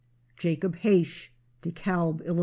Jacob Haish, DeKalb, Ill.